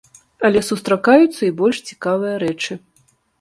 Але сустракаюцца і больш цікавыя рэчы.